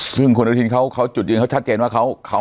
ซึ่งคุณอนุทินเขาจุดยืนเขาชัดเจนว่าเขา